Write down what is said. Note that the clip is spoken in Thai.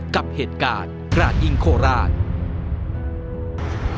กับเหตุการณ์กระดยิงโคราช